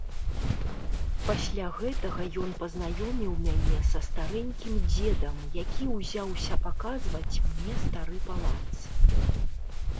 Пасля гэтага ён пазнаёміў мяне са старэнькім дзедам, які ўзяўся паказваць мне стары палац.